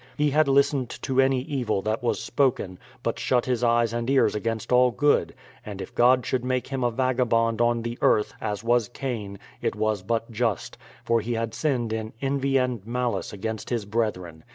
He had listened to any evil that was spoken, but shut his eyes and ears against all good; and if God should make him a vaga bond on the earth, as was Cain, it was but just; for he had sinned in envy and malice against his brethren.